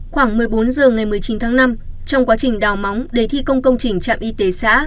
khoảng một mươi bốn h ngày một mươi chín tháng năm trong quá trình đào móng để thi công công trình trạm y tế xã